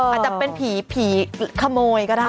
อาจจะเป็นผีผีขโมยก็ได้